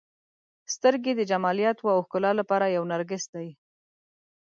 • سترګې د جمالیاتو او ښکلا لپاره یو نرګس دی.